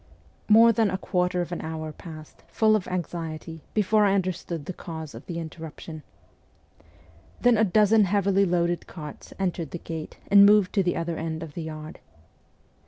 More than a quarter of an hour passed, full of anxiety, before I understood the cause of the interrup tion. Then a dozen heavily loaded carts entered the gate and moved to the other end of the yard.